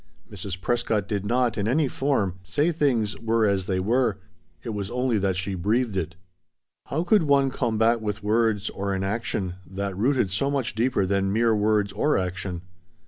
Mrs. Prescott did not, in any form, say things were as they were; it was only that she breathed it. How could one combat with words, or in action, that rooted so much deeper than mere words or action?